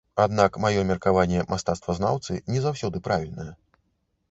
Аднак мае меркаванне мастацтвазнаўцы не заўсёды правільнае.